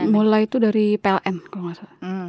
mulai itu dari pln kalau nggak salah